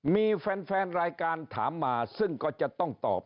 มีแฟนรายการถามมาซึ่งก็จะต้องตอบ